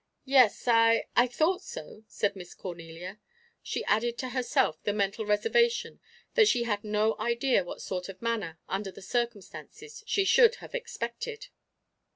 "Yes, I I thought so," said Miss Cornelia. She added to herself the mental reservation that she had no idea what sort of manner under the circumstances, she should have expected.